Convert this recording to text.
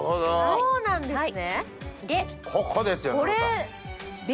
そうなんですか。